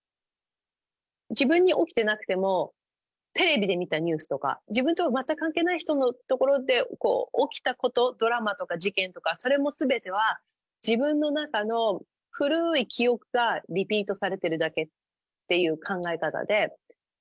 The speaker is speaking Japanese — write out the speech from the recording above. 自分に起きてなくても、テレビで見たニュースとか、自分とは全く関係ない人のところで起きたこと、ドラマとか事件とか、それもすべては、自分の中の古い記憶がリピートされてるだけっていう考え方で。